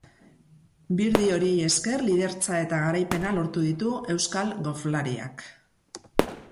Birdie horiei esker lidertza eta garaipena lortu ditu euskal golflariak.